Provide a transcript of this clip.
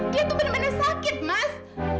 dia tuh bener bener sakit mas